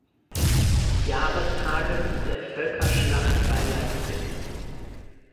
Jahrestages der Völkerschlacht bei Leipzig.